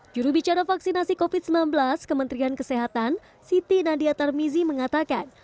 jurubicara vaksinasi covid sembilan belas kementerian kesehatan siti nadia tarmizi mengatakan